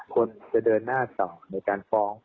คนจะเดินหน้าต่อในการฟ้อง